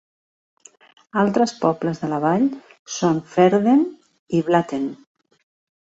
Altres pobles de la vall són Ferden i Blatten.